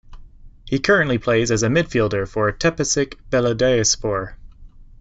He currently plays as a midfielder for Tepecik Belediyespor.